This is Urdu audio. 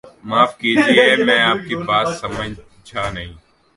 معاف کیجئے میں آپ کی بات سمجھانہیں